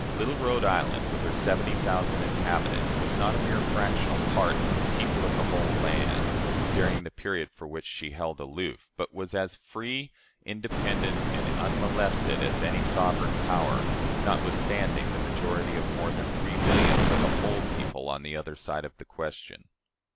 Little Rhode Island, with her seventy thousand inhabitants, was not a mere fractional part of "the people of the whole land," during the period for which she held aloof, but was as free, independent, and unmolested, as any other sovereign power, notwithstanding the majority of more than three millions of "the whole people" on the other side of the question.